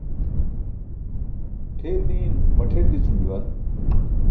Ṭʰi̇r ni̇i̇n maṭʰi̇r di̇cum juwan.